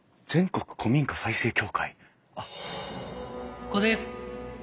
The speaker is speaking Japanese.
ここです。